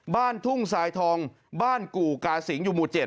บ้านทุ่งทรายทองบ้านกู่กาสิงอยู่หมู่๗